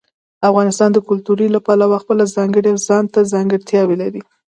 افغانستان د کلتور له پلوه خپله ځانګړې او ځانته ځانګړتیاوې لري.